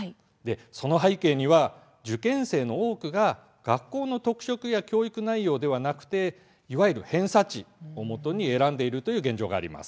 その背景には受験生の多くが学校の特色や教育内容ではなくいわゆる偏差値をもとに選んでいるという現状があります。